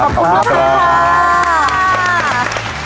ขอบคุณครับคุณพี่พัฒน์